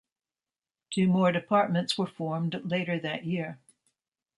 Two more departments were formed later that year.